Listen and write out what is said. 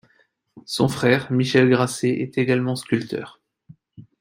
Son frère, Michel Grasset, est également sculpteur.